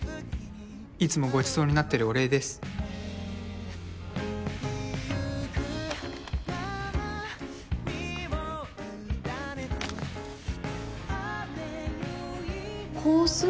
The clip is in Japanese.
いつもごちそうになってるお礼です香水？